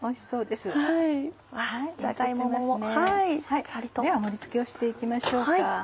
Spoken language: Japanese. では盛り付けをして行きましょうか。